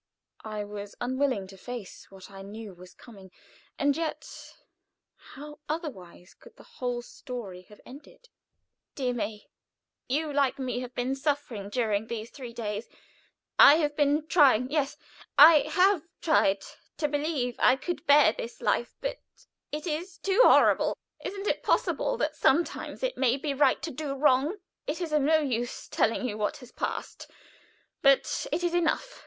I was unwilling to face what I knew was coming and yet, how otherwise could the whole story have ended? "DEAR MAY, You, like me, have been suffering during these three days. I have been trying yes, I have tried to believe I could bear this life, but it is too horrible. Isn't it possible that sometimes it may be right to do wrong? It is of no use telling you what has passed, but it is enough.